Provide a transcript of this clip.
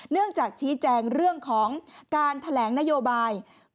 เนื่องจากชี้แจงเรื่องของการแถลงนโยบาย